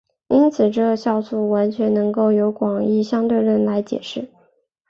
因此这效应完全能够由广义相对论来解释。